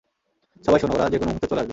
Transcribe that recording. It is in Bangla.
সবাই শোনো, ওরা যেকোনো মুহূর্তে চলে আসবে।